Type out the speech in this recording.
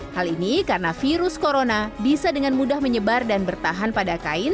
hal ini karena virus corona bisa dengan mudah menyebar dan bertahan pada kain